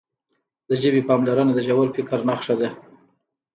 د ژبې پاملرنه د ژور فکر نښه ده.